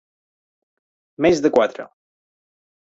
Més de quatre.